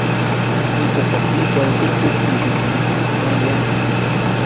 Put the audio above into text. Junto con Flickr, YouTube y Wikimedia Commons.